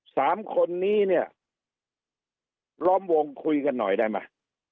สามคนนี้เนี่ยล้อมวงคุยกันหน่อยได้ไหม